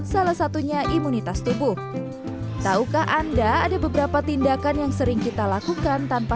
salah satunya imunitas tubuh tahukah anda ada beberapa tindakan yang sering kita lakukan tanpa